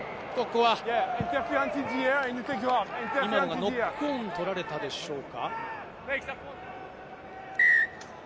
今のはノックオンとられたでしょうか？